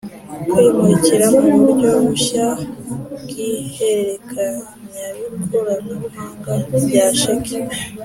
Kwimukira mu buryo bushya bw ihererekanyakoranabuhanga rya sheki